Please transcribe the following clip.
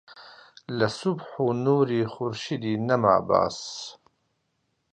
لە سوبح و نووری خورشیدی نەما باس